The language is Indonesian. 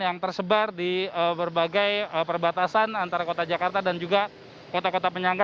yang tersebar di berbagai perbatasan antara kota jakarta dan juga kota kota penyangga